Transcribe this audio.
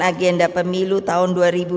agenda pemilu tahun dua ribu dua puluh